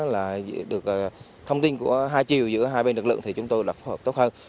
là được thông tin của hai chiều giữa hai bên lực lượng thì chúng tôi đã phối hợp tốt hơn